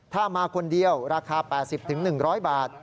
ถ้ามาคนเดียวราคา๘๐๑๐๐บาท